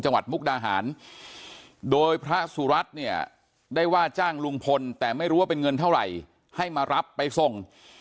มุกดาหารโดยพระสุรัตน์เนี่ยได้ว่าจ้างลุงพลแต่ไม่รู้ว่าเป็นเงินเท่าไหร่ให้มารับไปส่ง